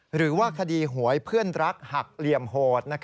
หรือว่าคดีหวยเพื่อนรักหักเหลี่ยมโหด